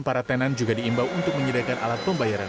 para tenan juga diimbau untuk menyediakan alat pembayaran